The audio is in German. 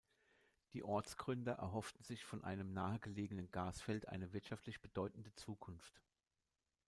Die Ortsgründer erhofften sich von einem nahe gelegenen Gasfeld eine wirtschaftlich bedeutende Zukunft.